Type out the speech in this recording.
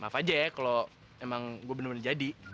maaf aja ya kalau emang gue bener bener jadi